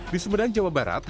di semedang jawa barat